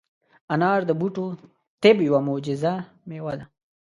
انار د بوټو طب یوه معجزه مېوه ده.